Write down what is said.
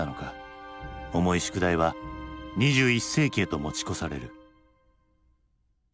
重い宿題は２１世紀へと持ち越される。